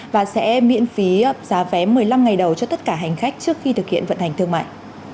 và sẽ miễn phí giá vé một mươi năm ngày đầu cho tất cả hành khách trước khi thực hiện vận hành thương mại